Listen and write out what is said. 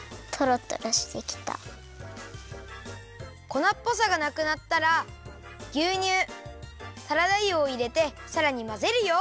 こなっぽさがなくなったらぎゅうにゅうサラダ油をいれてさらにまぜるよ！